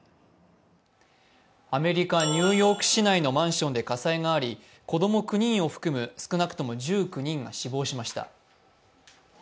アメリカ・ニューヨーク市内のマンションで火災があり、子供９人を含む少なくとも１９人が死亡しました。